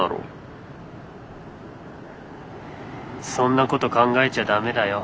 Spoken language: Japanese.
そんなこと考えちゃ駄目だよ。